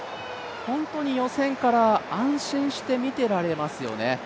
本当に予選から安心して見てられますよね。